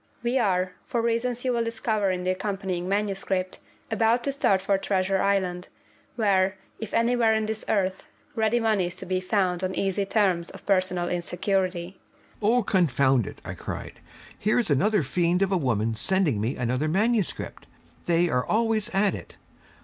_ _'We are, for reasons you will discover in the accompanying manuscript, about to start for Treasure Island, where, if anywhere in this earth, ready money is to be found on easy terms of personal insecurity.'_ 'Oh, confound it,' I cried, 'here's another fiend of a woman sending me another manuscript! They are always at it!